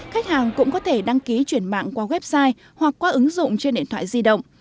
khách hàng cũng có thể đăng ký chuyển mạng qua website hoặc qua ứng dụng trên điện thoại di động